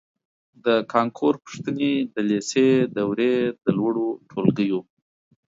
د کانکور پوښتنې د لېسې دورې د لوړو ټولګیو